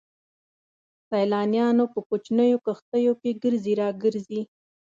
سيلانيان په کوچنيو کښتيو کې ګرځي را ګرځي.